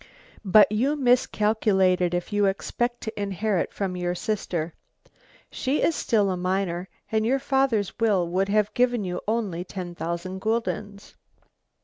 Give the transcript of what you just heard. "But you miscalculated, if you expected to inherit from your sister. She is still a minor and your father's will would have given you only ten thousand guldens.